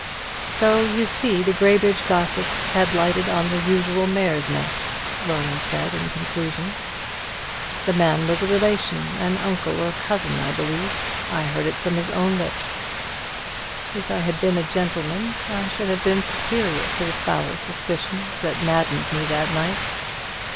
"So you see the Graybridge gossips had lighted on the usual mare's nest," Roland said, in conclusion; "the man was a relation, an uncle or cousin, I believe, I heard it from his own lips. If I had been a gentleman, I should have been superior to the foul suspicions that maddened me that night.